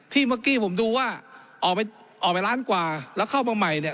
เมื่อกี้ผมดูว่าออกไปออกไปล้านกว่าแล้วเข้ามาใหม่เนี่ย